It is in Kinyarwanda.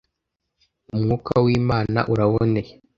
umwuka w’imana uraboneye